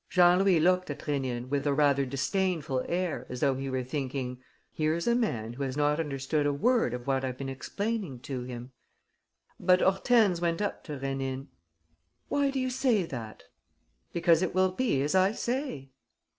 Jean Louis looked at Rénine with a rather disdainful air, as though he were thinking: "Here's a man who has not understood a word of what I've been explaining to him." But Hortense went up to Rénine: "Why do you say that?" "Because it will be as I say."